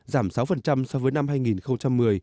giảm sáu so với năm hai nghìn một mươi